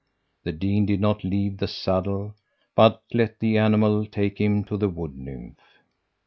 The dean did not leave the saddle, but let the animal take him to the Wood nymph.